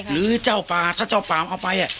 หรือเจ้าป่าถ้าเจ้าป่ามเอาไป